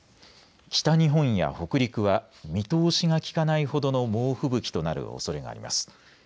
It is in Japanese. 北日本や北陸は見通しが利かないほどの猛吹雪となるおそれがあります。